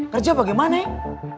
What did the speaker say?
kerja apa gimana ya